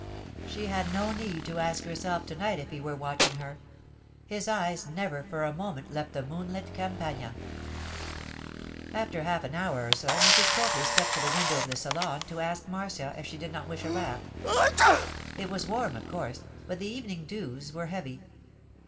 She had no need to ask herself to night if he were watching her. His eyes never for a moment left the moonlit campagna. After half an hour or so Mrs. Copley stepped to the window of the salon to ask Marcia if she did not wish a wrap. It was warm, of course, but the evening dews were heavy.